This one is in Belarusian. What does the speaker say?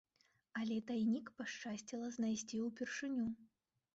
Але тайнік пашчасціла знайсці ўпершыню.